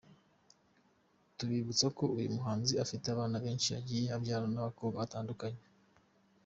Twabibutsa ko uyu muhanzi afite abana benshi yagiye abyarana n’abakobwa batandukanye.